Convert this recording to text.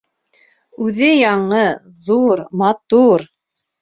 Үҙе яңы, ҙур, матур.